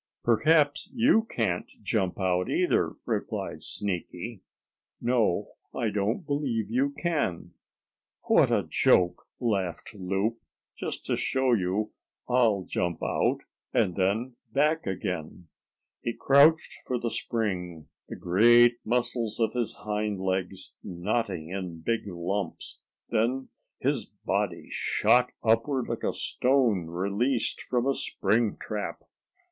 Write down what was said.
"Perhaps you can't jump out either," replied Sneaky. "No, I don't believe you can." "What a joke!" laughed Loup. "Just to show you, I'll jump out, and then back again." He crouched for the spring, the great muscles of his hind legs knotting in big lumps. Then his body shot upward like a stone released from a spring trap.